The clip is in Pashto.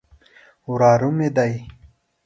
وراره مې دی.